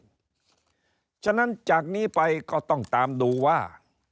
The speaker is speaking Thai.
เพราะฉะนั้นจากนี้ไปก็ต้องตามดูว่า